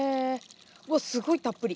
わっすごいたっぷり。